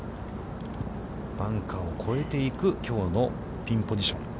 バンカーを越えていく、きょうのピンポジション。